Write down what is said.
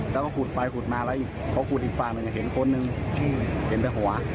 แล้วก็ขุดไปขุดมาแล้วเห็นคนหนึ่งเด้อหัว